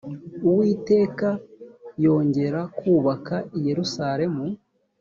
uwiteka yongera kubaka i yerusalemu.